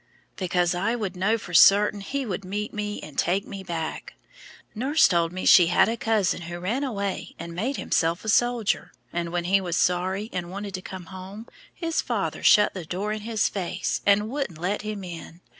"Because I would know for certain He would meet me and take me back. Nurse told me she had a cousin who ran away and made himself a soldier, and when he was sorry and wanted to come home, his father shut the door in his face, and wouldn't let him in.